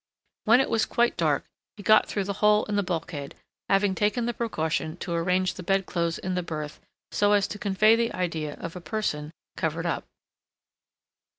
When it was quite dark, he got through the hole in the bulkhead, having taken the precaution to arrange the bedclothes in the berth so as to convey the idea of a person covered up.